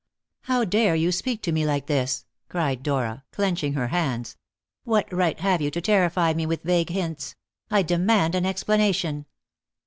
"How dare you speak to me like this!" cried Dora, clenching her hands; "what right have you to terrify me with vague hints? I demand an explanation!"